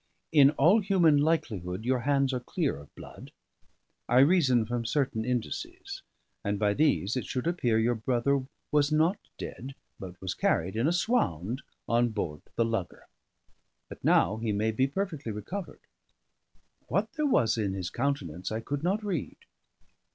In all human likelihood, your hands are clear of blood. I reason from certain indices; and by these it should appear your brother was not dead, but was carried in a swound on board the lugger. But now he may be perfectly recovered." What there was in his countenance I could not read.